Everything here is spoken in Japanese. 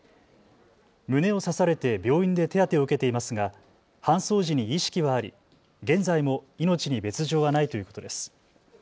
胸を刺されて病院で手当てを受けていますが、搬送時に意識はあり、現在も命に別状はないということです。